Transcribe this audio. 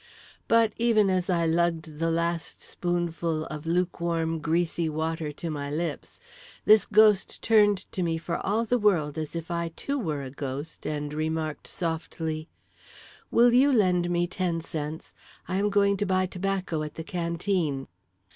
But (even as I lugged the last spoonful of luke warm greasy water to my lips) this ghost turned to me for all the world as if I too were a ghost, and remarked softly: "Will you lend me ten cents? I am going to buy tobacco at the canteen."